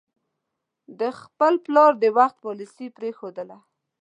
د خپل پلار د وخت پالیسي پرېښودله.